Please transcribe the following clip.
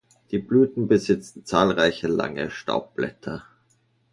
Die Blüten besitzen zahlreiche lange Staubblätter.